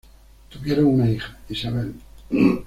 Tuvieron una hija, Isabel.